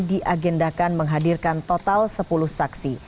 diagendakan menghadirkan total sepuluh saksi